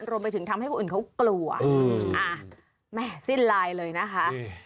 รวมไปถึงทำให้คนอื่นเขากลัวแม่สิ้นลายเลยนะคะ